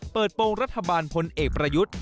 โปรงรัฐบาลพลเอกประยุทธ์